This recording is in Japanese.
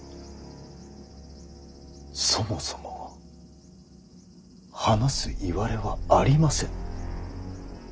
そもそも話すいわれはありませぬ。